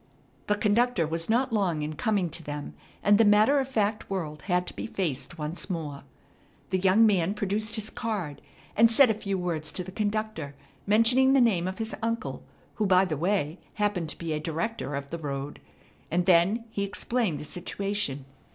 The conductor was not long in coming to them, and the matter of fact world had to be faced once more. The young man produced his card, and said a few words to the conductor, mentioning the name of his uncle, who, by the way, happened to be a director of the road; and then he explained the situation.